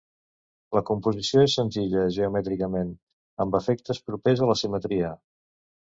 La composició és senzilla geomètricament, amb efectes propers a la simetria.